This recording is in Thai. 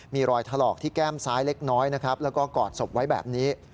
มีรอยถลอกที่แก้มซ้ายเล็กน้อยนะครับแล้วก็กอดศพไว้แบบนี้